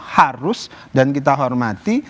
harus dan kita hormati